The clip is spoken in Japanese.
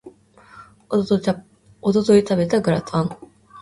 一昨日食べたグラタン